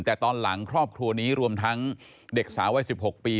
แต่ตอนหลังครอบครัวนี้รวมทั้งเด็กสาววัย๑๖ปี